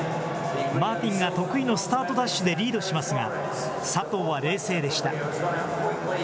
マーティンが得意のスタートダッシュでリードしますが、佐藤は冷静でした。